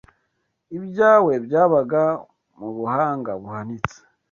Ibyawe byabaga mu buhanga buhanitse